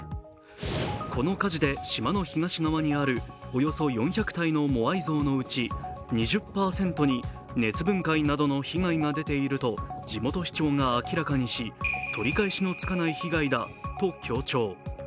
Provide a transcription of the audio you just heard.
この火事で島の東側にあるおよそ４００体のモアイ像のうち２０％に熱分解などの被害が出ていると地元市長が明らかにし取り返しのつかない被害だと強調。